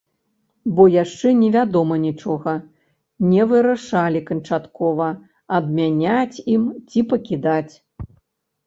Бо яшчэ невядома нічога, не вырашылі канчаткова, адмяняць ім ці пакідаць.